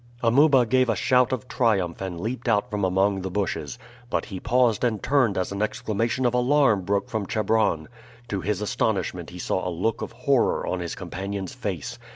Amuba gave a shout of triumph and leaped out from among the bushes. But he paused and turned as an exclamation of alarm broke from Chebron. To his astonishment, he saw a look of horror on his companion's face.